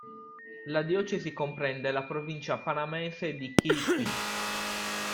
La diocesi comprende la provincia panamense di Chiriquí.